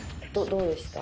どうでした？